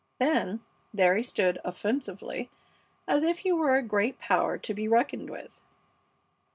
Then, there he stood offensively, as if he were a great power to be reckoned with.